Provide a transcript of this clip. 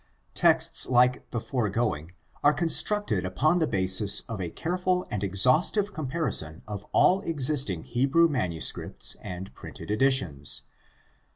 Texts like the foregoing are constructed upon the basis of a careful and exhaustive comparison of all existing Hebrew manuscripts and printed editions.